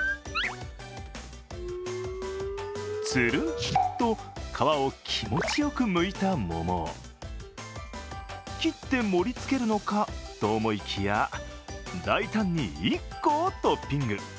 つるんっと皮を気持ちよくむいた桃を切って盛りつけるのかと思いきや、大胆に１個をトッピング。